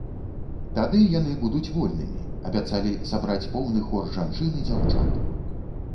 Тады яны будуць вольнымі, абяцалі сабраць поўны хор жанчын і дзяўчат.